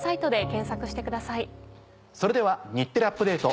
それでは『日テレアップＤａｔｅ！』